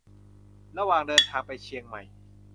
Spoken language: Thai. ระหว่างเดินทางไปเชียงใหม่